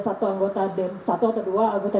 satu anggota dem satu atau dua anggota